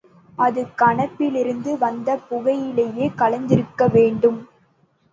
அது கணப்பிலிருந்து வந்த புகையிலே கலந்திருக்க வேண்டும்.